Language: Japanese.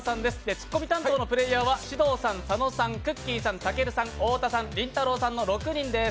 ツッコミ担当のプレーヤーは、獅童さん、佐野さんくっきー！さん、たけるさん、太田さん、りんたろーさんの６人です。